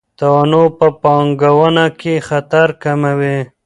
تنوع په پانګونه کې خطر کموي.